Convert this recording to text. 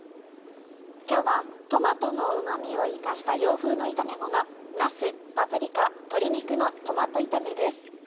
今日はトマトのうま味を生かした洋風の炒めもの「なすパプリカ鶏肉のトマト炒め」です。